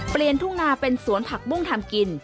เปลี่ยนทุ่งนาเป็นสวนผักมุ้งทำกิน